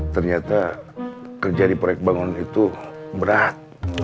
ternyata kerja di proyek bangun itu berat